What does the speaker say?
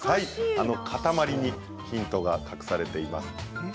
あの塊にヒントが隠されています。